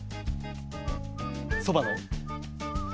そばの。